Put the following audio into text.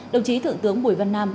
đồng chí thượng tướng bùi văn nam